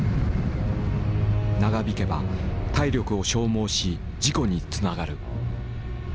長引けば体力を消耗し事故につながる。